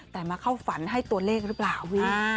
แต่มาเข้าฝันให้ตัวเลขหรือเปล่าวี